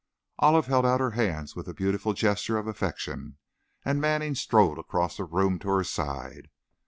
Olive held out her hands with a beautiful gesture of affection, and Manning strode across the room to her side.